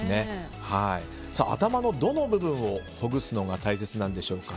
頭のどの部分をほぐすのが大切なんでしょうか。